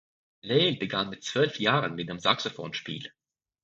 Lehel begann mit zwölf Jahren mit dem Saxophonspiel.